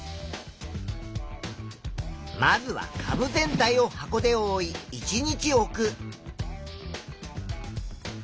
まずはかぶ全体を箱でおおい１日置く。